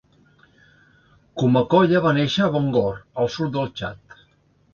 Koumakoye va néixer a Bongor, al sud del Txad.